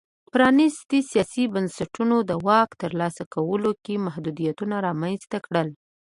پرانیستو سیاسي بنسټونو د واک ترلاسه کولو کې محدودیتونه رامنځته کړل.